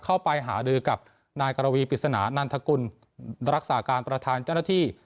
เข้าไปหารือกับนายกรวีปริศนานันทกุลรักษาการประธานเจ้าหน้าที่